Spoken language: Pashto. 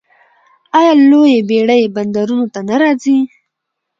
آیا لویې بیړۍ بندرونو ته نه راځي؟